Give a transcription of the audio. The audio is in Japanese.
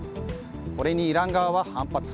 これに、イラン側は反発。